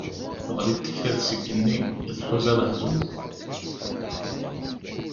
Teɣli-d tektabt seg igenni, tḥuza lehẓuz.